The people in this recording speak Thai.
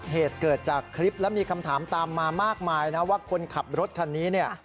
เหตุเกิดจากคลิปและมีคำถามตามมามากมายนะว่าคนขับรถคันนี้เนี่ย